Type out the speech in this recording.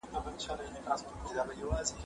زه به سبا انځور ګورم وم!